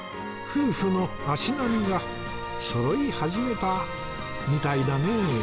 夫婦の足並みがそろい始めたみたいだねえ